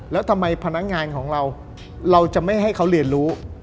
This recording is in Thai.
แล้วทำไมพนักงานของเราเราจะไม่ให้เขาเรียนรู้